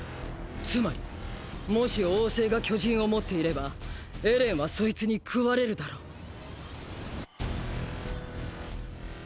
つまりもし王政が巨人を持っていればエレンはそいつに食われるだろう。